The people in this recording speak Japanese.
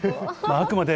あくまで。